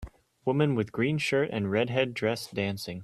women with green shirt and redhead dress dancing